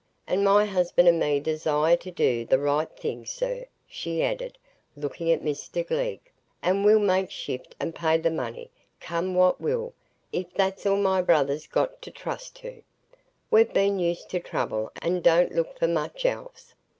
And my husband and me desire to do the right thing, sir," she added, looking at Mr Glegg, "and we'll make shift and pay the money, come what will, if that's all my brother's got to trust to. We've been used to trouble, and don't look for much else.